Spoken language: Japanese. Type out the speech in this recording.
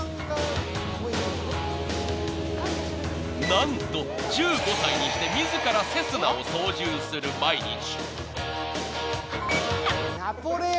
［何と１５歳にして自らセスナを操縦する毎日］